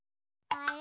あれ？